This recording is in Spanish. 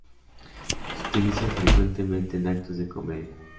Se utiliza frecuentemente en actos de comedia.